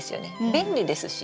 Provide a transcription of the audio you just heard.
便利ですし。